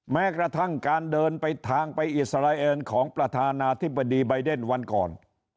แม้กระทั่งการเดินไปทางไปอิสราเอลของประธานาธิบดีใบเดนวันก่อน